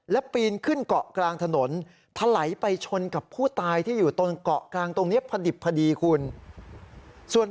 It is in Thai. และปีนขึ้นเกาะกลางถนนถลายไปชนกับผู้ตายที่อยู่ตรงเกาะกลางตรงนี้พอดิบพอดีคุณส่วน